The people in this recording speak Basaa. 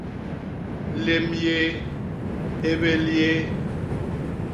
Lém yéé; ébél yéé,.